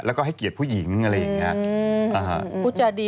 แล้วก็ให้เกียรติผู้หญิงอะไรอย่างนี้